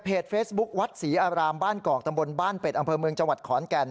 เฟซบุ๊ควัดศรีอารามบ้านกอกตำบลบ้านเป็ดอำเภอเมืองจังหวัดขอนแก่น